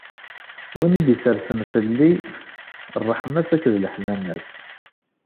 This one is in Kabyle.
Win i d-issersen fell-i ṛṛeḥma-s akked leḥnana-s.